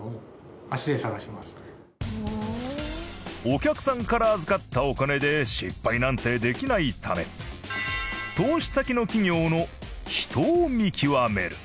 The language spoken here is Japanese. お客さんから預かったお金で失敗なんてできないため投資先の企業の人を見極める。